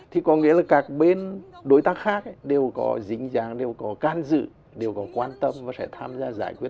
thì có nghĩa là các bên đối tác khác đều có dính dàng đều có can dự đều có quan tâm và sẽ tham gia giải quyết